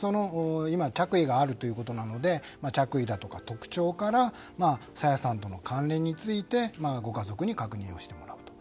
着衣があるということなのでその着衣だとか特徴から朝芽さんとの関連についてご家族に確認をしてもらうと。